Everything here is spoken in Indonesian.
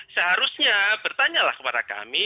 seharusnya bertanyalah kepada kami